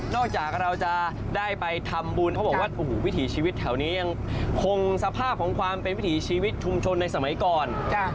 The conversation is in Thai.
จากเราจะได้ไปทำบุญเขาบอกว่าโอ้โหวิถีชีวิตแถวนี้ยังคงสภาพของความเป็นวิถีชีวิตชุมชนในสมัยก่อน